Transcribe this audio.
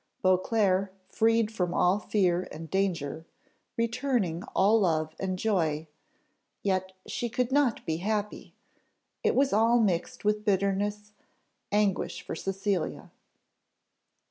Beauclerc, freed from all fear and danger, returning all love and joy; yet she could not be happy it was all mixed with bitterness, anguish for Cecilia.